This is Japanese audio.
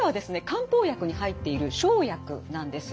漢方薬に入っている生薬なんです。